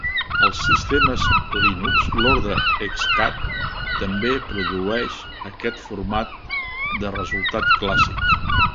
Als sistemes Linux, l'ordre "hexcat" també produeix aquest format de resultat clàssic.